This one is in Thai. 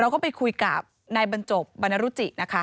ก็ไปคุยกับนายบรรจบบรรณรุจินะคะ